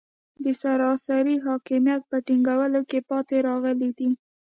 د سراسري حاکمیت په ټینګولو کې پاتې راغلي دي.